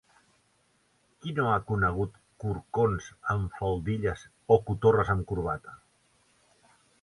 Qui no ha conegut corcons amb faldilles o cotorres amb corbata?